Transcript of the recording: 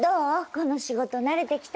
この仕事慣れてきた？